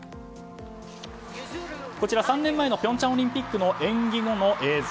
こちら３年前の平昌オリンピックの演技後の映像。